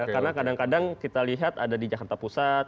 karena kadang kadang kita lihat ada di jakarta pusat